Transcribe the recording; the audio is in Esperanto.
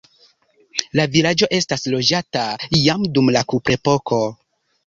La vilaĝo estis loĝata jam dum la kuprepoko.